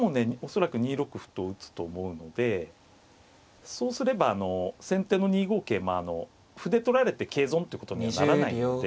恐らく２六歩と打つと思うのでそうすれば先手の２五桂馬歩で取られて桂損ということにはならないので。